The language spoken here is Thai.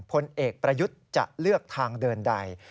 พลเอกประยุทธ์จะเลือกทางเดินใด